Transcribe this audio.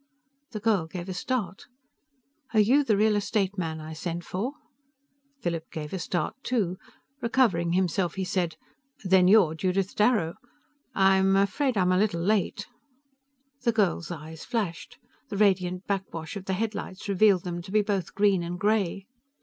The girl gave a start. "Are you the real estate man I sent for?" Philip gave a start, too. Recovering himself, he said, "Then you're Judith Darrow. I'm ... I'm afraid I'm a little late." The girl's eyes flashed. The radiant backwash of the headlights revealed them to be both green and gray.